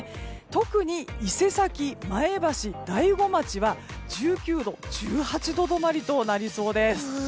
特に伊勢崎、前橋、大子町は１９度、１８度止まりとなりそうです。